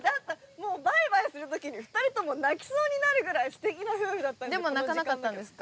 もうバイバイするときに２人とも泣きそうになるぐらいすてきな夫でも泣かなかったんですか？